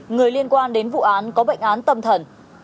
người liên quan đến vụ án có bệnh án tâm thần